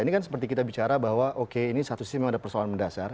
ini kan seperti kita bicara bahwa oke ini satu sisi memang ada persoalan mendasar